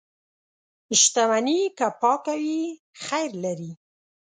• شتمني که پاکه وي، خیر لري.